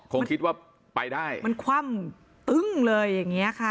คงคิดว่าไปได้มันคว่ำตึ้งเลยอย่างเงี้ยค่ะ